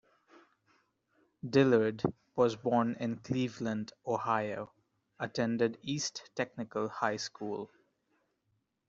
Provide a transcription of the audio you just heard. Dillard was born in Cleveland, Ohio, attended East Technical High School.